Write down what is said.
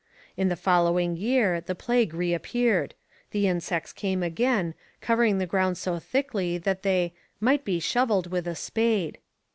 In the following year the plague reappeared; the insects came again, covering the ground so thickly that they 'might be shovelled with a spade.'